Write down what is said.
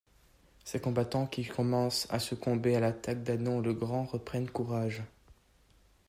Ces combattants qui commencent à succomber à l'attaque d'Hannon le Grand reprennent courage.